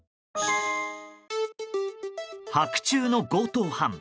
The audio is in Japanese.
白昼の強盗犯。